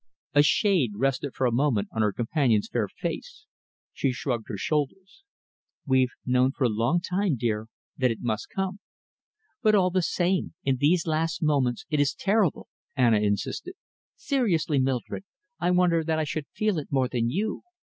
A shade rested for a moment on her companion's fair face. She shrugged her shoulders. "We've known for a long time, dear, that it must come." "But all the same, in these last moments it is terrible," Anna insisted. "Seriously, Mildred, I wonder that I should feel it more than you.